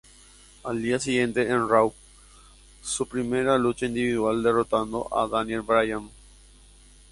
Al día siguiente en Raw su primera lucha individual, derrotando a Daniel Bryan.